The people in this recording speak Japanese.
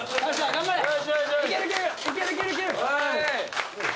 頑張れよ！